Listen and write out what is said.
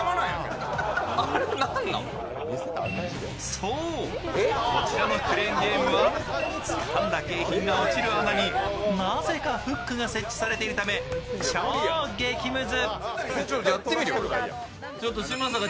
そう、こちらのクレーンゲームはつかんだ景品が落ちる穴になぜかフックが設置されているため超激ムズ。